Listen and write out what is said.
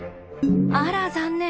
あら残念。